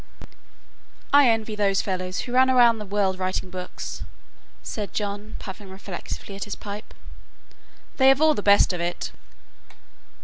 "I envy those fellows who run round the world writing books," said John, puffing reflectively at his pipe. "They have all the best of it."